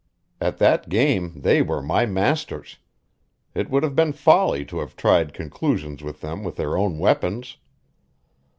At that game they were my masters; it would have been folly to have tried conclusions with them with their own weapons.